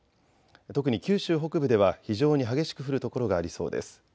特に九州北部では非常に激しく降る所がありそうです。